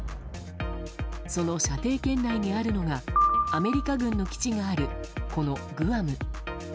その射程圏内にあるのがアメリカ軍の基地があるこのグアム。